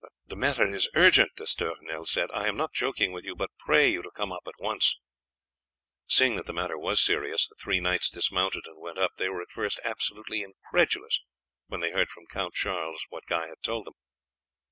"The matter is urgent," D'Estournel said. "I am not joking with you, but pray you to come up at once." Seeing that the matter was serious the three knights dismounted and went up. They were at first absolutely incredulous when they heard from Count Charles what Guy had told them.